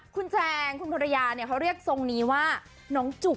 คุณแจงคุณภรรยาเนี่ยเขาเรียกทรงนี้ว่าน้องจุ